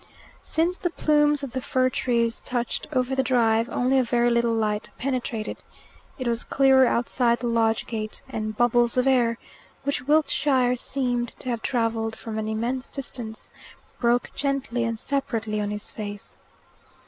Since the plumes of the fir trees touched over the drive, only a very little light penetrated. It was clearer outside the lodge gate, and bubbles of air, which Wiltshire seemed to have travelled from an immense distance, broke gently and separately on his face.